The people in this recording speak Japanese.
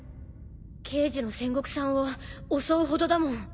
刑事の千石さんを襲うほどだもん。